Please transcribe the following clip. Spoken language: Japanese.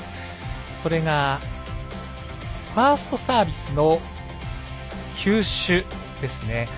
それが、ファーストサービスの球種ですね。